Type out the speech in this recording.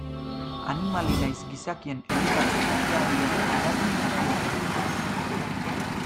Animali nahiz gizakien elikatze-kateari ere eragin dakioke.